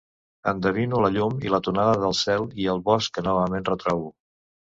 Endevino la llum i la tonada del cel i el bosc que novament retrobo.